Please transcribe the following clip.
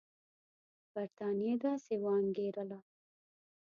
برټانیې داسې وانګېرله.